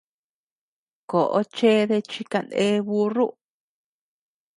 Koʼo chede chi kané búrru.